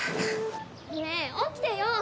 ねえ起きてよ！